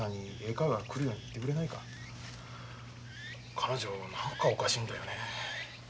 彼女何かおかしいんだよね。